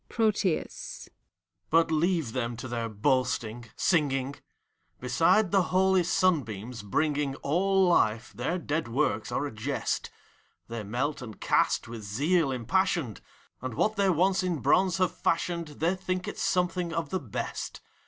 PROTHUS. But leave them to their boasting, singing! . Beside the holy simbeams, bringing All life, their dead works are a jest. They melt and cast, with zeal impassioned, And what they once in bronze have fashioned, They think it's something of the best.